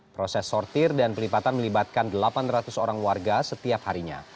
proses sortir dan pelipatan melibatkan delapan ratus orang warga setiap harinya